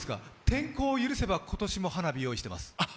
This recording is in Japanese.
天候が許せば、今年も花火を用意しています。